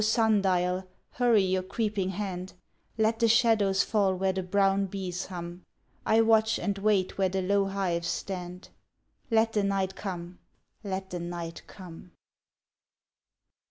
sun dial, hurry your creeping hand, Let the shadows fall where the brown bees hum, 1 watch and wait where the low hives stand, Let the night come, let the night come